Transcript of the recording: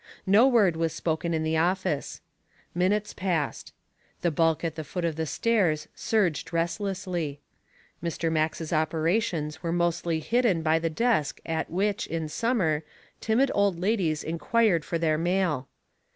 No word was spoken in the office. Minutes passed. The bulk at the foot of the stairs surged restlessly. Mr. Max's operations were mostly hidden by the desk at which, in summer, timid old ladies inquired for their mail.